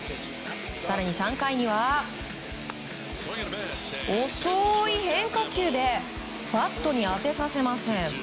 更に３回には遅い変化球でバットに当てさせません。